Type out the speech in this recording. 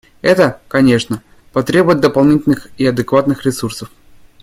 Это, конечно, потребует дополнительных и адекватных ресурсов.